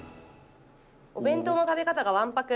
お弁当の食べ方がわんぱく。